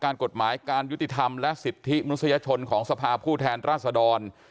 กฎหมายการยุติธรรมและสิทธิมนุษยชนของสภาผู้แทนราษดร